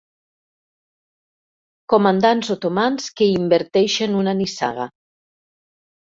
Comandants otomans que inverteixen una nissaga.